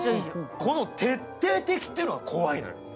この徹底的ってのが怖いのよ。